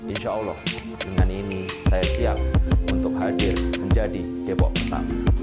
insya allah dengan ini saya siap untuk hadir menjadi depok pertama